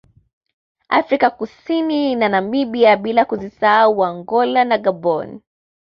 Afrika Kusini na Namibia bila kuzisahau Angola na Gaboni